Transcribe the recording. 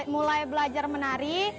mulai belajar menari